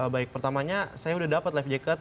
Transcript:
baik pertamanya saya udah dapat life jacket